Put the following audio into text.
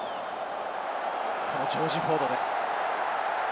ジョージ・フォードです。